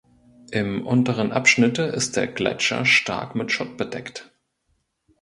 Im unteren Abschnitte ist der Gletscher stark mit Schutt bedeckt.